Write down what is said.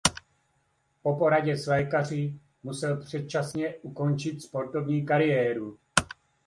Po poradě s lékaři musel předčasně ukončit sportovní kariéru.